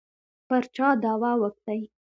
پر چا دعوه وکړي.